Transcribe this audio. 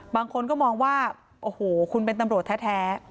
บางคนก็มองว่าโอ้โหคุณเป็นตำรวจแท้